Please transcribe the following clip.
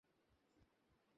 আমি শুধু তোমার আশীর্বাদ চাই।